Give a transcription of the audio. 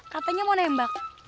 katanya mau nembak